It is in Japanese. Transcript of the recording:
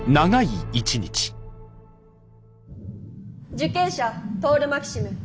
受刑者トオル・マキシム。